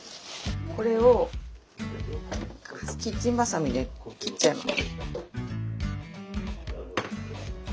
これをキッチンばさみで切っちゃいます。